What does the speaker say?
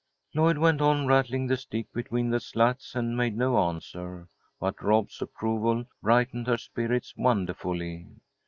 Lloyd went on rattling the stick between the slats and made no answer, but Rob's approval brightened her spirits wonderfully.